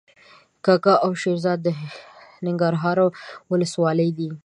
کږه او شیرزاد د ننګرهار ولسوالۍ دي.